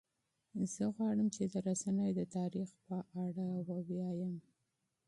زه غواړم چې د رسنیو د تاریخ په اړه مطالعه وکړم.